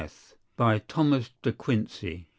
BY THOMAS DE QUINCEY.